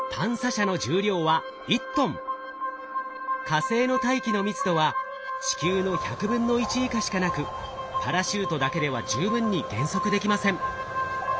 火星の大気の密度は地球の１００分の１以下しかなくパラシュートだけでは十分に減速できません。